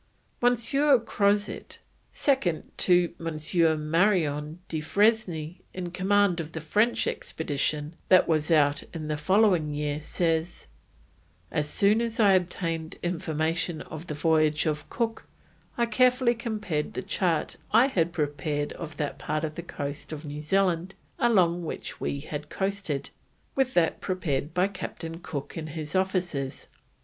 M. Crozet, second to M. Marion du Fresne in command of the French expedition that was out in the following year, says: "As soon as I obtained information of the voyage of Cook, I carefully compared the chart I had prepared of that part of the coast of New Zealand along which we had coasted, with that prepared by Captain Cook and his officers.